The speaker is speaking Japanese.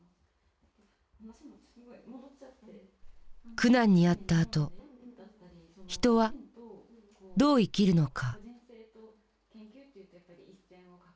苦難に遭ったあと人はどう生きるのか。